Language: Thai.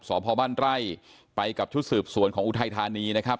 สวัสดีครับทุกผู้ชมครับสบ้านไตร่ไปกับชุดสืบสวนของอุทัยธานีนะครับ